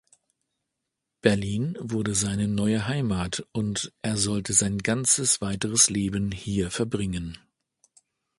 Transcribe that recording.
Berlin wurde seine neue Heimat, und er sollte sein ganzes weiteres Leben hier verbringen.